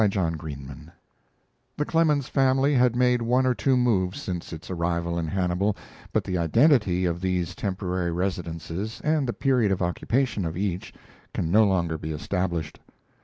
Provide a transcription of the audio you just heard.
DAYS OF EDUCATION The Clemens family had made one or two moves since its arrival in Hannibal, but the identity of these temporary residences and the period of occupation of each can no longer be established.